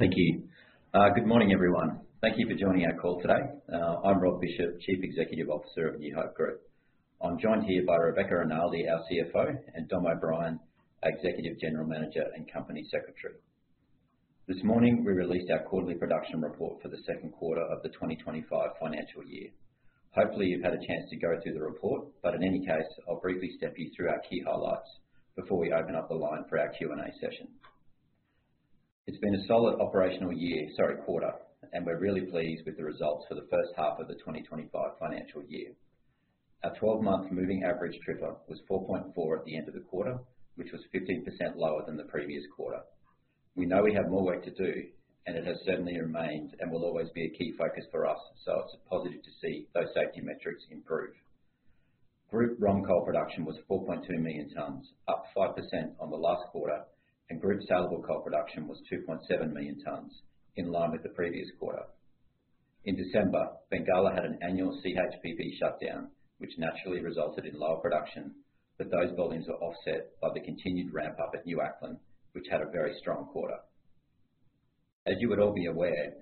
Thank you. Good morning, everyone. Thank you for joining our call today. I'm Rob Bishop, Chief Executive Officer of New Hope Group. I'm joined here by Rebecca Rinaldi, our CFO, and Dom O'Brien, our Executive General Manager and Company Secretary. This morning, we released our quarterly production report for the second quarter of the 2025 financial year. Hopefully, you've had a chance to go through the report, but in any case, I'll briefly step you through our key highlights before we open up the line for our Q&A session. It's been a solid operational year, sorry, quarter, and we're really pleased with the results for the first half of the 2025 financial year. Our 12-month moving average TRIFR was 4.4 at the end of the quarter, which was 15% lower than the previous quarter. We know we have more work to do, and it has certainly remained and will always be a key focus for us, so it's positive to see those safety metrics improve. Group ROM coal production was 4.2 million tons, up 5% on the last quarter, and group salable coal production was 2.7 million tons, in line with the previous quarter. In December, Bengalla had an annual CHPP shutdown, which naturally resulted in lower production, but those volumes were offset by the continued ramp-up at New Acland, which had a very strong quarter. As you would all be aware,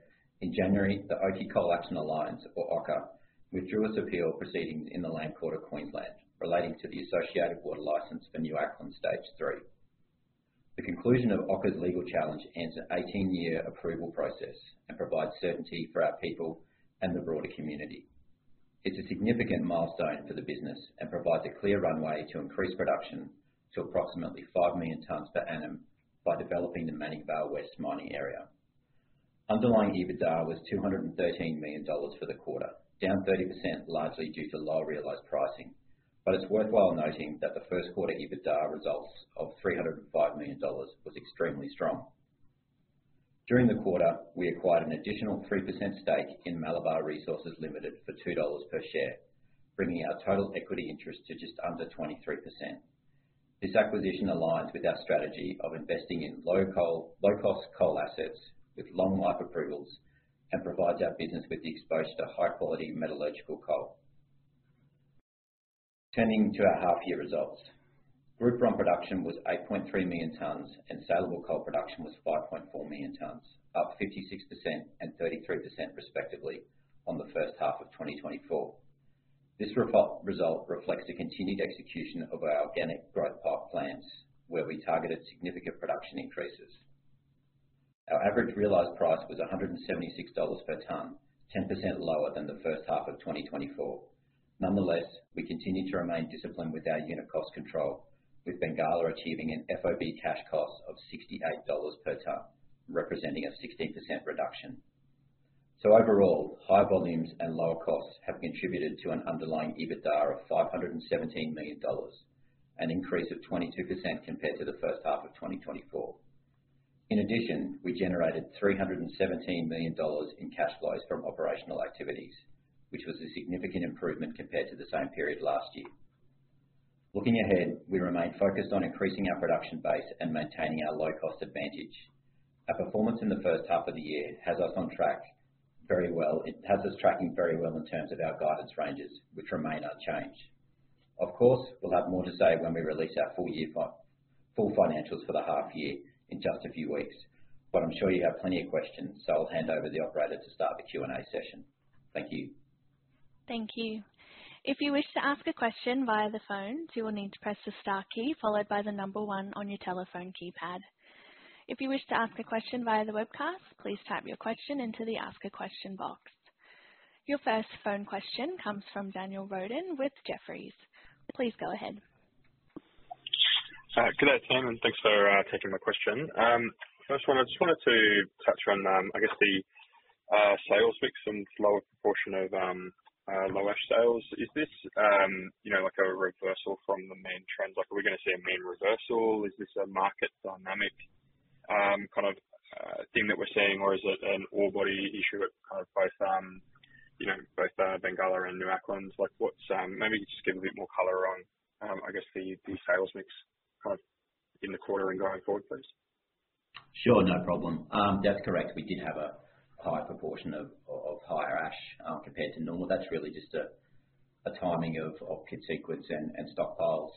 in January, the Oakey Coal Action Alliance, or OCAA, withdrew its appeal proceedings in the Land Court of Queensland, relating to the Associated Water License for New Acland Stage 3. The conclusion of OCAA's legal challenge ends an 18-year approval process and provides certainty for our people and the broader community. It's a significant milestone for the business and provides a clear runway to increase production to approximately 5 million tons per annum by developing the Manning Vale West mining area. Underlying EBITDA was AUD 213 million for the quarter, down 30%, largely due to lower realized pricing, but it's worthwhile noting that the first quarter EBITDA results of 305 million dollars was extremely strong. During the quarter, we acquired an additional 3% stake in Malabar Resources Limited for 2 dollars per share, bringing our total equity interest to just under 23%. This acquisition aligns with our strategy of investing in low-cost coal assets with long-life approvals and provides our business with the exposure to high-quality metallurgical coal. Turning to our half-year results, Group ROM production was 8.3 million tons and salable coal production was 5.4 million tons, up 56% and 33% respectively on the first half of 2024. This result reflects the continued execution of our organic growth path plans, where we targeted significant production increases. Our average realized price was 176 dollars per tonne, 10% lower than the first half of 2024. Nonetheless, we continue to remain disciplined with our unit cost control, with Bengalla achieving an FOB cash cost of 68 dollars per tonne, representing a 16% reduction. So overall, high volumes and lower costs have contributed to an underlying EBITDA of 517 million dollars, an increase of 22% compared to the first half of 2024. In addition, we generated 317 million dollars in cash flows from operational activities, which was a significant improvement compared to the same period last year. Looking ahead, we remain focused on increasing our production base and maintaining our low-cost advantage. Our performance in the first half of the year has us on track very well. It has us tracking very well in terms of our guidance ranges, which remain unchanged. Of course, we'll have more to say when we release our full financials for the half year in just a few weeks, but I'm sure you have plenty of questions, so I'll hand over the operator to start the Q&A session. Thank you. Thank you. If you wish to ask a question via the phone, you will need to press the star key followed by the number one on your telephone keypad. If you wish to ask a question via the webcast, please type your question into the Ask a Question box. Your first phone question comes from Daniel Roden with Jefferies. Please go ahead. Good afternoon, and thanks for taking my question. First of all, I just wanted to touch on, I guess, the sales mix and lower proportion of low-ash sales. Is this like a reversal from the mine trends? Are we going to see a mine reversal? Is this a market dynamic kind of thing that we're seeing, or is it an Acland issue at kind of both Bengalla and New Acland? Maybe you could just give a bit more color on, I guess, the sales mix kind of in the quarter and going forward, please. Sure, no problem. That's correct. We did have a high proportion of higher ash compared to normal. That's really just a timing of pit sequence and stockpiles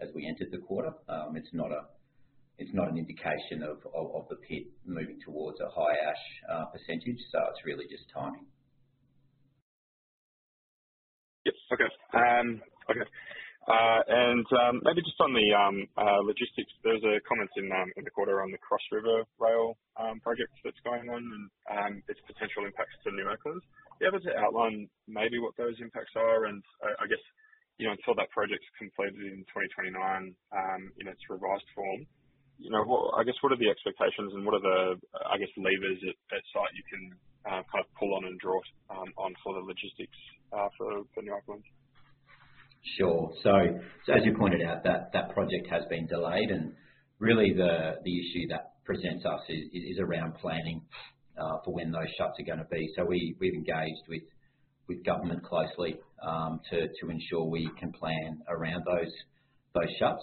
as we entered the quarter. It's not an indication of the pit moving towards a higher ash percentage, so it's really just timing. Yes, okay. Okay. And maybe just on the logistics, there's a comment in the quarter on the Cross River Rail project that's going on and its potential impacts to New Acland. Do you have to outline maybe what those impacts are? And I guess until that project's completed in 2029 in its revised form, I guess, what are the expectations and what are the, I guess, levers at site you can kind of pull on and draw on for the logistics for New Acland? Sure. So as you pointed out, that project has been delayed, and really the issue that presents us is around planning for when those shuts are going to be. So we've engaged with government closely to ensure we can plan around those shuts.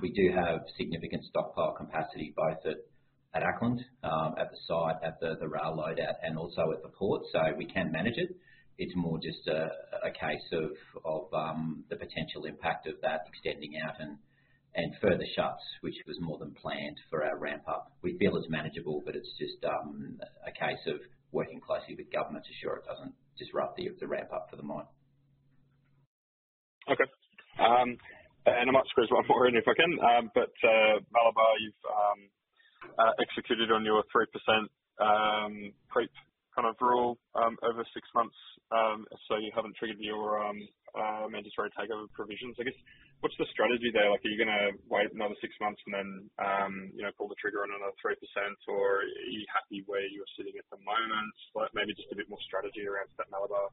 We do have significant stockpile capacity both at Acland, at the site, at the rail loadout, and also at the port, so we can manage it. It's more just a case of the potential impact of that extending out and further shuts, which was more than planned for our ramp-up. We feel it's manageable, but it's just a case of working closely with government to ensure it doesn't disrupt the ramp-up for the mine. Okay. And I might squeeze one more in if I can, but Malabar, you've executed on your 3% creep kind of rule over six months, so you haven't triggered your mandatory takeover provisions, I guess. What's the strategy there? Are you going to wait another six months and then pull the trigger on another 3%, or are you happy where you're sitting at the moment? Maybe just a bit more strategy around that Malabar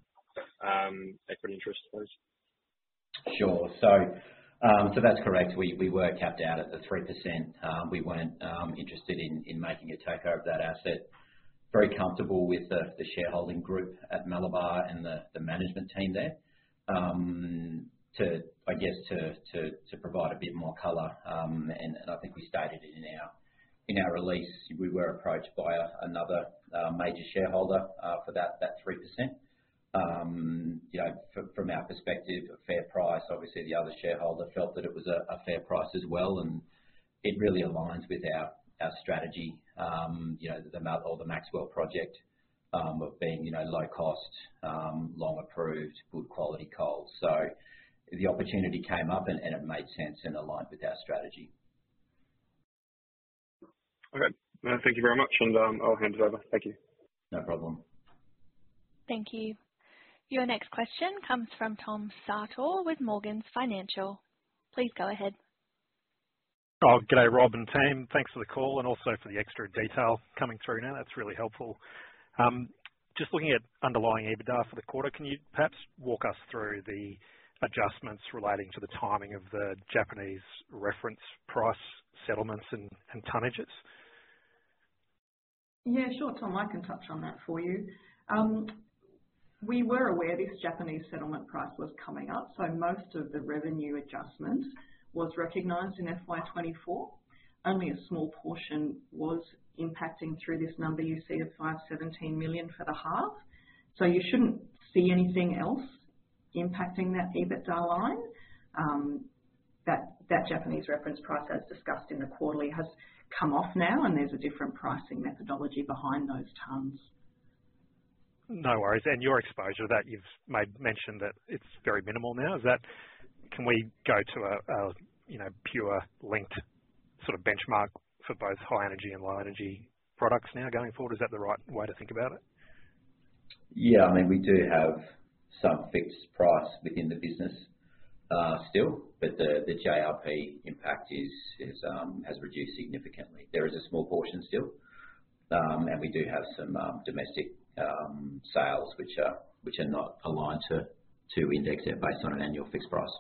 equity interest, please. Sure. So that's correct. We were capped out at the 3%. We weren't interested in making a takeover of that asset. Very comfortable with the shareholding group at Malabar and the management team there, I guess, to provide a bit more color. And I think we stated it in our release. We were approached by another major shareholder for that 3%. From our perspective, a fair price. Obviously, the other shareholder felt that it was a fair price as well, and it really aligns with our strategy, or the Maxwell Project, of being low-cost, long-approved, good-quality coal. So the opportunity came up, and it made sense and aligned with our strategy. Okay. Thank you very much, and I'll hand it over. Thank you. No problem. Thank you. Your next question comes from Tom Sartor with Morgan Financial. Please go ahead. Oh, good day, Rob and team. Thanks for the call and also for the extra detail coming through now. That's really helpful. Just looking at underlying EBITDA for the quarter, can you perhaps walk us through the adjustments relating to the timing of the Japanese Reference Price settlements and tonnages? Yeah, sure, Tom. I can touch on that for you. We were aware this Japanese settlement price was coming up, so most of the revenue adjustment was recognized in FY 2024. Only a small portion was impacting through this number you see of 517 million for the half. So you shouldn't see anything else impacting that EBITDA line. That Japanese reference price, as discussed in the quarterly, has come off now, and there's a different pricing methodology behind those tonnes. No worries. And your exposure that you've made mention that it's very minimal now, can we go to a pure linked sort of benchmark for both high energy and low energy products now going forward? Is that the right way to think about it? Yeah. I mean, we do have some fixed price within the business still, but the JRP impact has reduced significantly. There is a small portion still, and we do have some domestic sales which are not aligned to index based on an annual fixed price.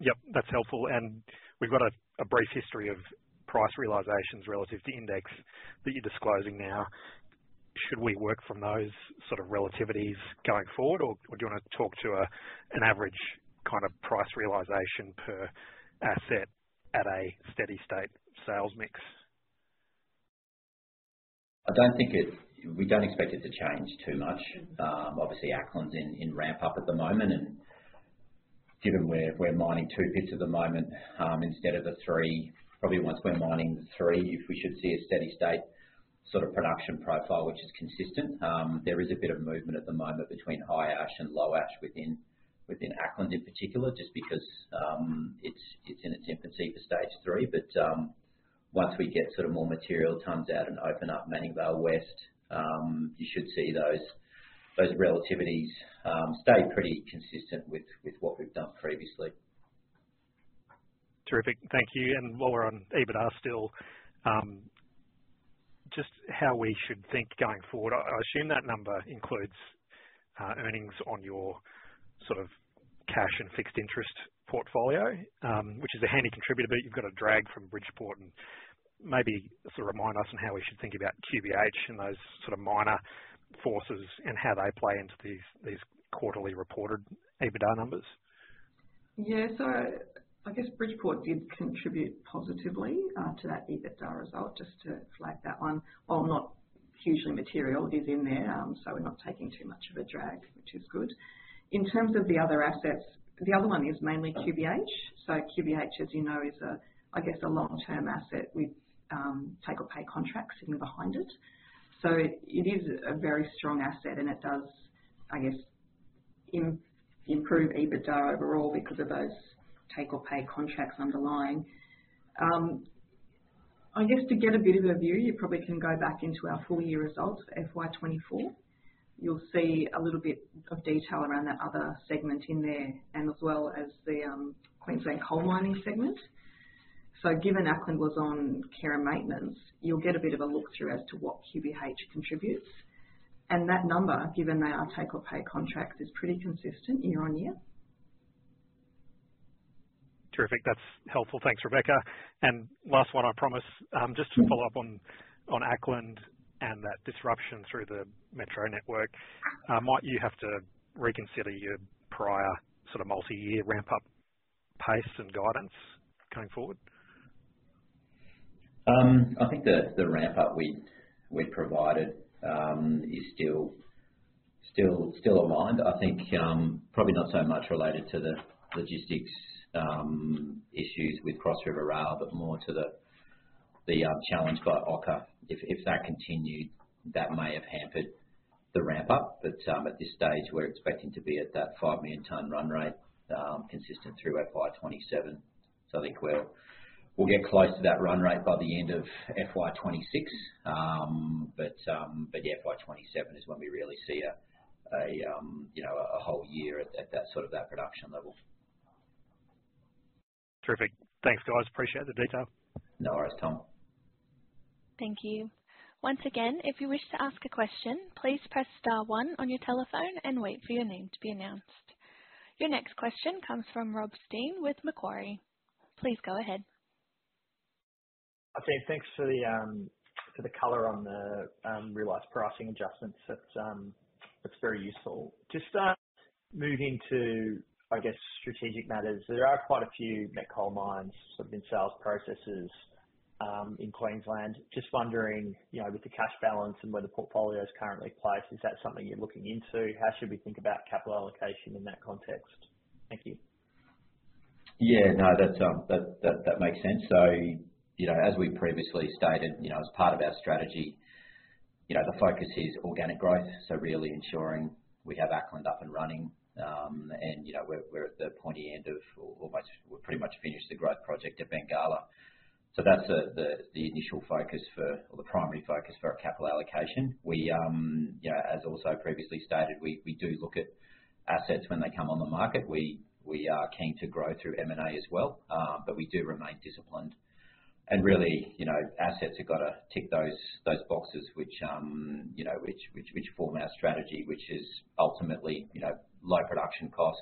Yep, that's helpful. And we've got a brief history of price realizations relative to index that you're disclosing now. Should we work from those sort of relativities going forward, or do you want to talk to an average kind of price realization per asset at a steady-state sales mix? I don't think—we don't expect it to change too much. Obviously, Acland's in ramp-up at the moment, and given we're mining two pits at the moment instead of the three, probably once we're mining the three, if we should see a steady-state sort of production profile which is consistent. There is a bit of movement at the moment between high ash and low ash within Acland in particular, just because it's in its infancy for stage three. But once we get sort of more material tonnes out and open up Manning Vale West, you should see those relativities stay pretty consistent with what we've done previously. Terrific. Thank you. And while we're on EBITDA still, just how we should think going forward, I assume that number includes earnings on your sort of cash and fixed interest portfolio, which is a handy contributor, but you've got a drag from Bridgeport. And maybe sort of remind us on how we should think about QBH and those sort of minor sources and how they play into these quarterly reported EBITDA numbers. Yeah. So I guess Bridgeport did contribute positively to that EBITDA result, just to flag that one. Although not hugely material is in there, so we're not taking too much of a drag, which is good. In terms of the other assets, the other one is mainly QBH. So QBH, as you know, is, I guess, a long-term asset with take-or-pay contracts sitting behind it. So it is a very strong asset, and it does, I guess, improve EBITDA overall because of those take-or-pay contracts underlying. I guess to get a bit of a view, you probably can go back into our full year results for FY 2024. You'll see a little bit of detail around that other segment in there and as well as the Queensland coal mining segment. So given Acland was on care and maintenance, you'll get a bit of a look through as to what QBH contributes. That number, given they are take-or-pay contracts, is pretty consistent year on year. Terrific. That's helpful. Thanks, Rebecca. And last one, I promise, just to follow up on Acland and that disruption through the metro network. Might you have to reconsider your prior sort of multi-year ramp-up pace and guidance going forward? I think the ramp-up we provided is still aligned. I think probably not so much related to the logistics issues with Cross River Rail, but more to the challenge by OCAA. If that continued, that may have hampered the ramp-up. But at this stage, we're expecting to be at that five million tonne run rate consistent through FY 2027. So I think we'll get close to that run rate by the end of FY 2026. But yeah, FY 2027 is when we really see a whole year at that sort of production level. Terrific. Thanks, guys. Appreciate the detail. No worries, Tom. Thank you. Once again, if you wish to ask a question, please press star one on your telephone and wait for your name to be announced. Your next question comes from Rob Stein with Macquarie. Please go ahead. Okay. Thanks for the color on the realized pricing adjustments. That's very useful. Just moving to, I guess, strategic matters. There are quite a few met coal mines sort of in sales processes in Queensland. Just wondering, with the cash balance and where the portfolio is currently placed, is that something you're looking into? How should we think about capital allocation in that context? Thank you. Yeah, no, that makes sense, so as we previously stated, as part of our strategy, the focus is organic growth, so really ensuring we have Acland up and running, and we're at the pointy end of almost we've pretty much finished the growth project at Bengalla, so that's the initial focus for or the primary focus for our capital allocation. As also previously stated, we do look at assets when they come on the market. We are keen to grow through M&A as well, but we do remain disciplined, and really, assets have got to tick those boxes which form our strategy, which is ultimately low production cost,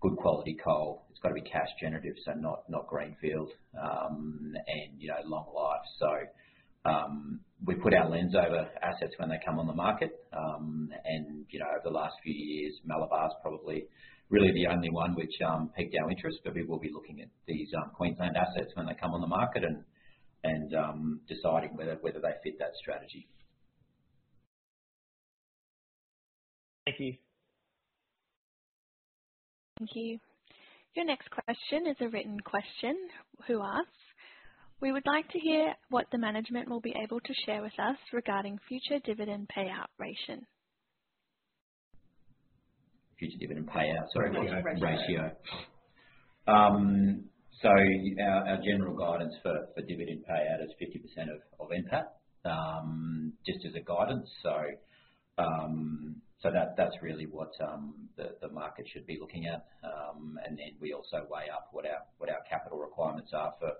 good quality coal. It's got to be cash generative, so not greenfield and long life, so we put our lens over assets when they come on the market. Over the last few years, Malabar's probably really the only one which picked our interest, but we will be looking at these Queensland assets when they come on the market and deciding whether they fit that strategy. Thank you. Thank you. Your next question is a written question who asks, "We would like to hear what the management will be able to share with us regarding future dividend payout ratio? Future dividend payout? Sorry, ratio. So our general guidance for dividend payout is 50% of NPAT just as a guidance. So that's really what the market should be looking at. And then we also weigh up what our capital requirements are for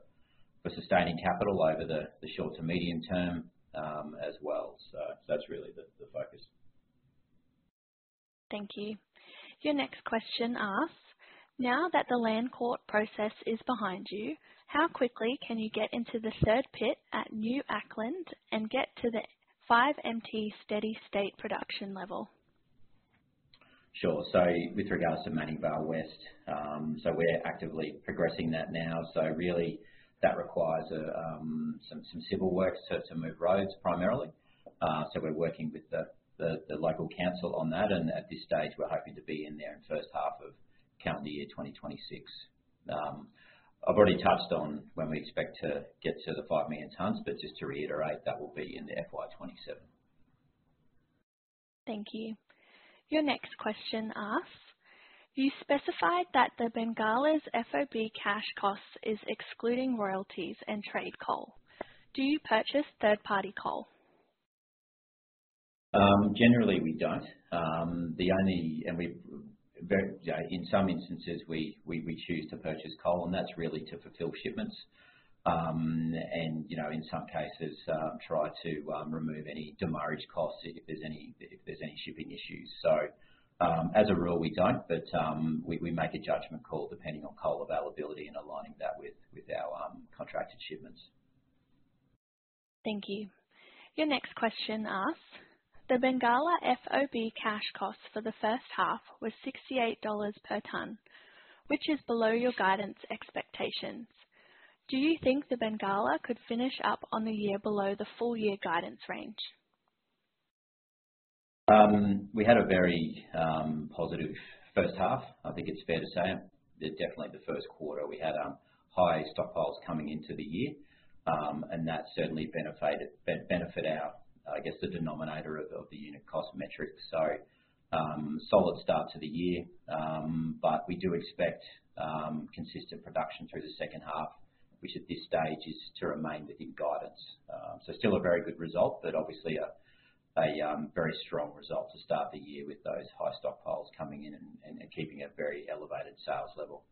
sustaining capital over the short to medium term as well. So that's really the focus. Thank you. Your next question asks, "Now that the Land Court process is behind you, how quickly can you get into the third pit at New Acland and get to the 5MT steady-state production level? Sure. With regards to Manning Vale West, we're actively progressing that now. Really, that requires some civil work to move roads primarily. We're working with the local council on that. At this stage, we're hoping to be in there in the first half of calendar year 2026. I've already touched on when we expect to get to the 5 million tons, but just to reiterate, that will be in FY 2027. Thank you. Your next question asks, "You specified that the Bengalla's FOB cash cost is excluding royalties and trade coal. Do you purchase third-party coal? Generally, we don't, and in some instances, we choose to purchase coal, and that's really to fulfill shipments and in some cases try to remove any demurrage costs if there's any shipping issues, so as a rule, we don't, but we make a judgment call depending on coal availability and aligning that with our contracted shipments. Thank you. Your next question asks, "The Bengalla FOB cash cost for the first half was 68 dollars per tonne, which is below your guidance expectations. Do you think the Bengalla could finish up on the year below the full year guidance range? We had a very positive first half. I think it's fair to say. Definitely the first quarter, we had high stockpiles coming into the year, and that certainly benefited, I guess, the denominator of the unit cost metric. So solid start to the year, but we do expect consistent production through the second half, which at this stage is to remain within guidance. So still a very good result, but obviously a very strong result to start the year with those high stockpiles coming in and keeping a very elevated sales level.